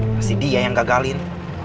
masih dia yang gagalin